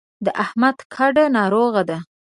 د احمد کډه ناروغه ده.